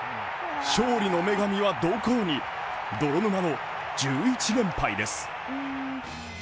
勝利の女神はどこに泥沼の１１連敗です。